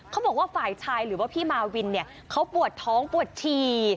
เขาบอกว่าฝ่ายชายหรือว่าพี่มาวินเนี่ยเขาปวดท้องปวดฉี่